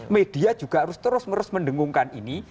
media juga harus terus menerus mendengungkan ini